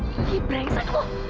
ih brengsek lu